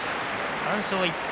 ３勝１敗。